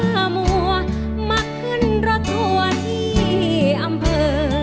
มัวมาขึ้นรถทัวร์ที่อำเภอ